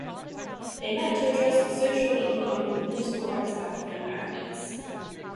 They met to address the social, economic, and political rights of African Americans.